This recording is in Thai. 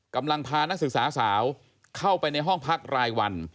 กำลังพานักศึกษาสาวเข้าไปในห้องพักรายวัน